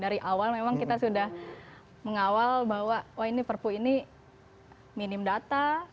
dari awal memang kita sudah mengawal bahwa oh ini perpu ini minim data